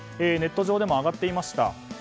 ネット上でも上がっていました。